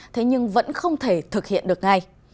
thế nhưng vẫn không thể thực hiện được ngay